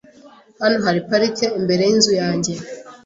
Hano hari parike imbere yinzu yanjye